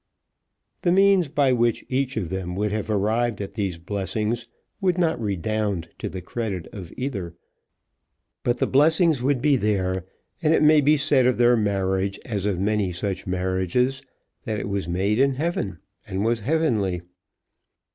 The means by which each of them would have arrived at these blessings would not redound to the credit of either; but the blessings would be there, and it may be said of their marriage, as of many such marriages, that it was made in heaven, and was heavenly.